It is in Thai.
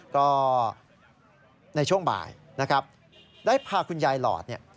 ก็ในช่วงบ่ายนะครับได้พาคุณยายหลอดเนี่ย